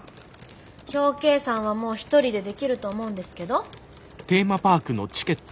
表計算はもう１人でできると思うんですけど。